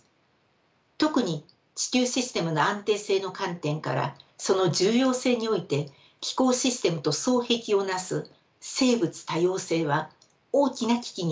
特に地球システムの安定性の観点からその重要性において気候システムと双璧を成す生物多様性は大きな危機にあります。